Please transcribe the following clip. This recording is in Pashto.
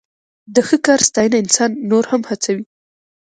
د ښه کار ستاینه انسان نور هم هڅوي.